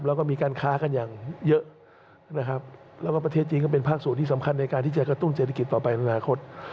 แล้วก็ประเทศจีนก็เป็นภาคศูนย์ที่สำคัญในการที่จะกระตุ้นเศรษฐกิจต่อไปในอนาคต